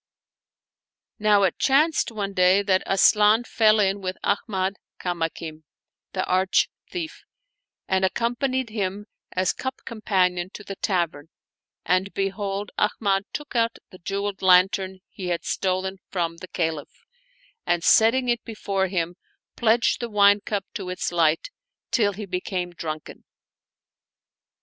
Now it chanced one day that Asian fell in with Ahmad Kamakim, the arch thief, and accompanied him as cup companion to the tavern, and behold, Ahmad took out the jeweled lan tern he had stolen from the Caliph and, setting it be fore him, pledged the wine cup to its light, till he became drunken.